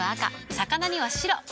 魚には白。